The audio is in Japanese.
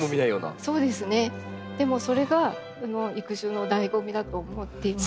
でもそれがこの育種のだいご味だと思っています。